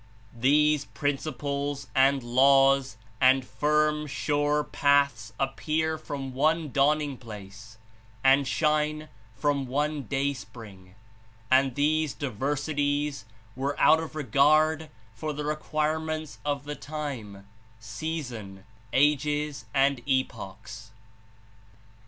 "These principles and laws and firm, sure paths appear from one dawning place and shine from one day spring, and these diversities were out of regard for the re quirements of the time, season, ages and epochs."